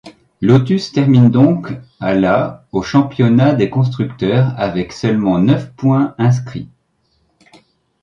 Lotus termine donc à la au championnat des constructeurs avec seulement neuf points inscrits.